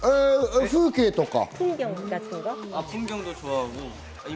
風景とか？